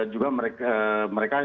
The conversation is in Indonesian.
juga mereka harus perhatikan